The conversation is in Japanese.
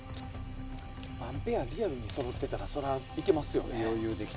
ワンペアリアルにそろってたらそりゃいけますよね。